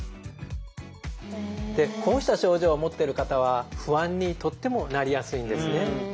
こうした症状を持ってる方は不安にとってもなりやすいんですね。